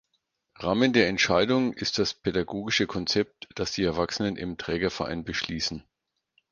Rahmen der Entscheidungen ist das pädagogische Konzept, das die Erwachsenen im Trägerverein beschließen.